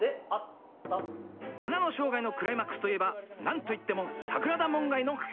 「花の生涯」のクライマックスといえば何と言っても桜田門外の変。